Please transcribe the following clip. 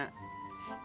baki lagi yang kena